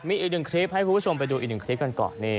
มีอีก๑คลิปให้ผู้ผู้ชมไปดูอีก๑คลิปกันก่อน